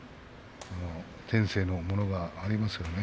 天性のものがありますからね。